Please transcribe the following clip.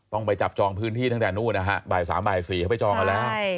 ไปจับจองพื้นที่ตั้งแต่นู่นนะฮะบ่าย๓บ่าย๔เขาไปจองกันแล้ว